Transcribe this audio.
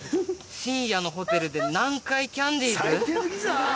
深夜のホテルで何回キャンディーズ⁉」。